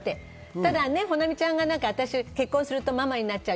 ただ保奈美ちゃんが結婚するとママになっちゃう。